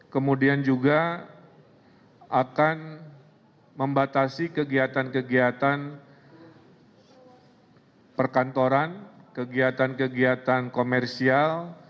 kemudian juga akan membatasi kegiatan kegiatan perkantoran kegiatan kegiatan komersial